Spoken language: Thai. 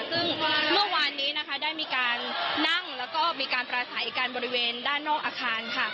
ซึ่งเมื่อวานนี้นะคะได้มีการนั่งแล้วก็มีการปราศัยกันบริเวณด้านนอกอาคารค่ะ